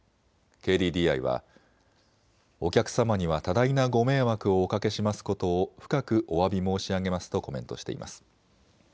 ＫＤＤＩは、お客様には多大なご迷惑をおかけしますことを深くおわび申し上げますとコメントしています。